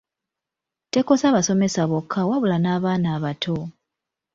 Tekosa basomesa bokka wabula n’abaana abato.